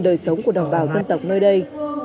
đời sống của đồng bào dân tộc nơi đây